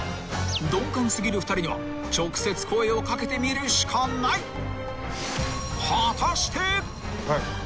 ［鈍感過ぎる２人には直接声を掛けてみるしかない］え？